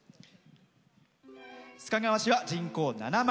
須賀川市は、人口７万。